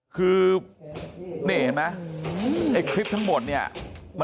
คืออะไรอ่ะ